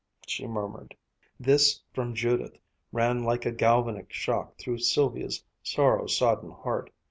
she murmured. This from Judith ran like a galvanic shock through Sylvia's sorrow sodden heart.